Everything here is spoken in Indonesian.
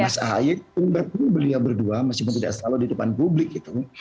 mas ahye beliau berdua masih tidak selalu di depan publik gitu